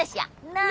なあ！